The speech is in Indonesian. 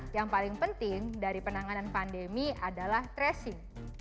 yang paling penting dari penanganan pandemi adalah tracing